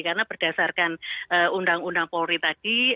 karena berdasarkan undang undang polri tadi